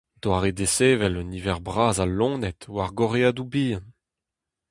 Doare desevel un niver bras a loened war gorreadoù bihan.